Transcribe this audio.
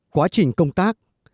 quá trình công tác